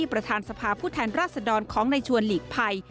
ที่ประธานสภาพุทธแห่งราษดรของในชวนหลีกภัย